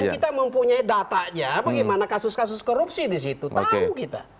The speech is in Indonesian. yang kita mempunyai datanya bagaimana kasus kasus korupsi disitu tahu kita